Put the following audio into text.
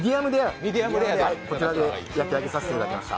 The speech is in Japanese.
ミディアムレアで焼き上げさせていただきました。